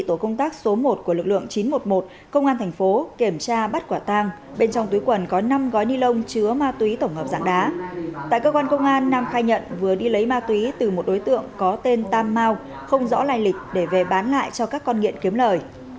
tại cơ quan công an nam khai nhận vừa đi lấy ma túy từ một đối tượng có tên tam mau không rõ lành lịch để về bán lại cho các con nghiện kiếm lời